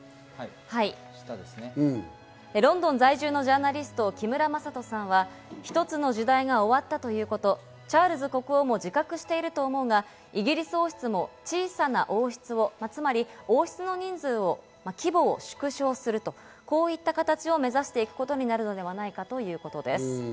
ロンドン在住のジャーナリスト・木村正人さんは一つの時代が終わったということ、チャールズ国王も自覚していると思うがイギリス王室もちいさな王室をつまり王室の人数を規模を縮小すると、こういった形を目指していくことになるのではないかということです。